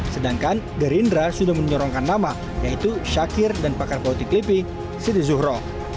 sedangkan gerindra sudah menyorongkan nama yaitu syakir dan pakar bauti klipi sidi zuhro